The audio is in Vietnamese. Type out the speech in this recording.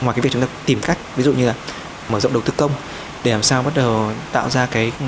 ngoài cái việc chúng ta tìm cách ví dụ như là mở rộng đầu tư công để làm sao bắt đầu tạo ra cái